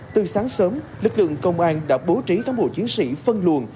từ sáng sớm lực lượng công an đã bố trí các bộ chiến sĩ phân luồn